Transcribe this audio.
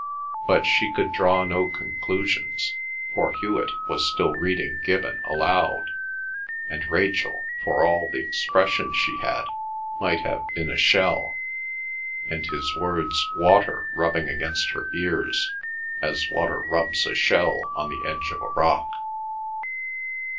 But she could draw no conclusions, for Hewet was still reading Gibbon aloud, and Rachel, for all the expression she had, might have been a shell, and his words water rubbing against her ears, as water rubs a shell on the edge of a rock.